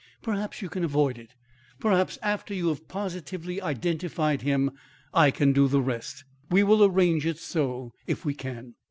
"Perhaps, you can avoid it. Perhaps after you have positively identified him I can do the rest. We will arrange it so, if we can."